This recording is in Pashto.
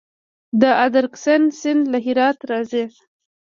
د ادرسکن سیند له هرات راځي